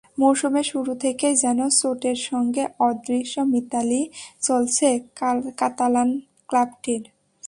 মৌসুমের শুরু থেকেই যেন চোটের সঙ্গে অদৃশ্য মিতালি চলছে কাতালান ক্লাবটির।